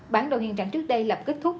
bản đồ hiện trạng trước đây lập kết thúc